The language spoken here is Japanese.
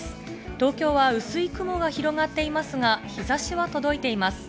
東京は薄い雲が広がっていますが、日差しは届いています。